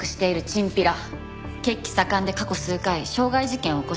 血気盛んで過去数回傷害事件を起こしてる。